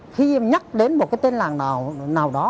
khi nhắc đến một cái tên làng nào đó